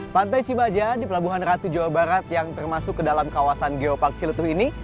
pantai cibaja di pelabuhan ratu jawa barat yang termasuk ke dalam kawasan geopark ciletuh ini